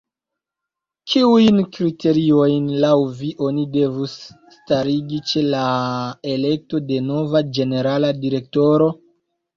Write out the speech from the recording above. Kiujn kriteriojn laŭ vi oni devus starigi ĉe la elekto de nova ĝenerala direktoro?